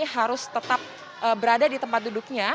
harus tetap berada di tempat duduknya